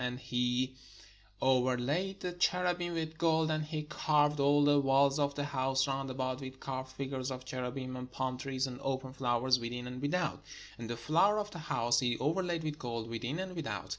And he overlaid the cherubim with gold. And he carved all the walls of the house round about with carved figures of cherubim and palm trees and open flowers, within and without. And the floor of the house he overlaid with gold, within and without.